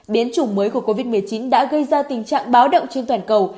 biến chủng mới của covid một mươi chín đã gây ra tình trạng báo động trên toàn cầu